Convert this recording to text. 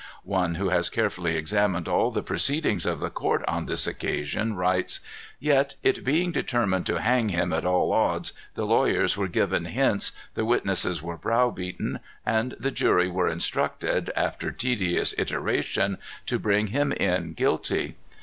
One who has carefully examined all the proceedings of the court on this occasion, writes: "Yet, it being determined to hang him at all odds, the lawyers were given hints, the witnesses were browbeaten, and the jury were instructed, after tedious iteration, to bring him in guilty."